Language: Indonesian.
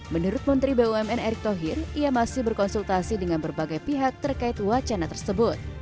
menurut menteri bumn erick thohir ia masih berkonsultasi dengan berbagai pihak terkait wacana tersebut